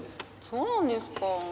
そうなんですか。